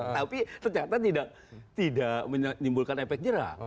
tapi ternyata tidak menimbulkan efek jerah